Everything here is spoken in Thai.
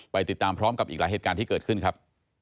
ไปติดตามพร้อมกับอีกหลายเหตุการณ์ที่เกิดขึ้นครับ